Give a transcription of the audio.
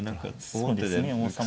そうですね王様